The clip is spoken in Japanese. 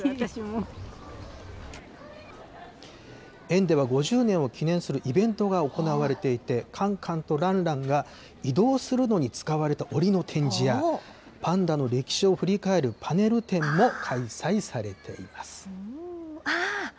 園では５０年を記念するイベントが行われていて、カンカンとランランが移動するのに使われたおりの展示や、パンダの歴史を振り返るパネル展も開催されています。